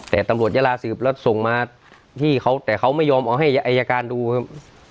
แต่ตำรวจยาลาสืบแล้วส่งมาที่เขาแต่เขาไม่ยอมเอาให้อายการดูครับ